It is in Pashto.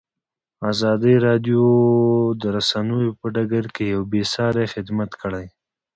ما د داسې کيسو د پيدا کولو لټه پيل کړه.